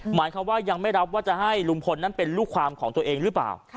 หมายความว่ายังไม่รับว่าจะให้ลุงพลนั้นเป็นลูกความของตัวเองหรือเปล่า